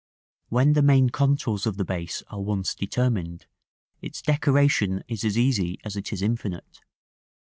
§ XVII. When the main contours of the base are once determined, its decoration is as easy as it is infinite.